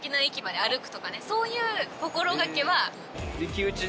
そういう心がけは。